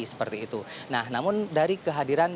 seperti itu nah namun dari kehadiran